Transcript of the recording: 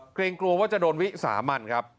เกรงกลัวว่าจะโดนวิสามันครับ